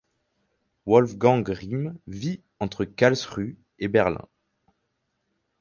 Wolfgang Rihm vit entre Karlsruhe et Berlin.